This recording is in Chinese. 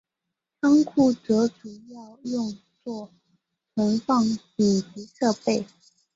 仓库则主要用作存放紧急设备。